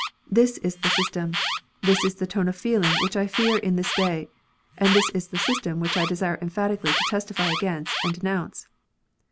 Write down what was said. This is the system, this is the tone of feeling which I fear in this day, and this is the system which I desire emphatically to testify against and denounce.